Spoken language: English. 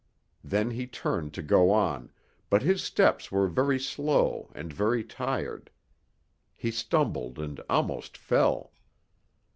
Then he turned to go on, but his steps were very slow and very tired. He stumbled and almost fell.